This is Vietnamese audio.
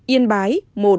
yên bái một